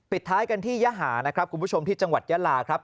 ท้ายกันที่ยหานะครับคุณผู้ชมที่จังหวัดยาลาครับ